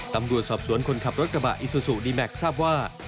ตำรวจสอบสวนคนขับรถกระบะอิซูซูดีแม็กซ์ทราบว่า